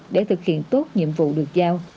để thực hiện tốt nhiệm vụ được giao